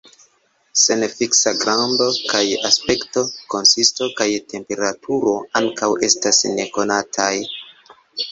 Sen fiksa grando kaj aspekto, konsisto kaj temperaturo ankaŭ estas nekonataj.